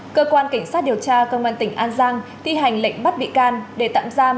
cơ quan cảnh sát điều tra công an tỉnh an giang thi hành lệnh bắt bị can để tạm giam